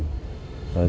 trong đó là